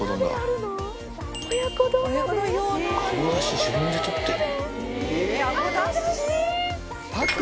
あごだし、自分でとってる。